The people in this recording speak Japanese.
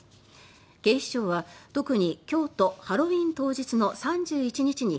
警視庁は特に今日とハロウィーン当日の３１日に